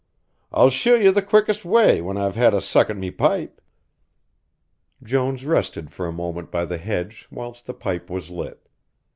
I'll shew you the quickest way when I've had a suck at me pipe." Jones rested for a moment by the hedge whilst the pipe was lit.